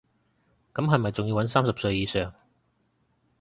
咁係咪仲要搵三十歲以上